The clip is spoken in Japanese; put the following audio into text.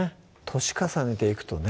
年重ねていくとね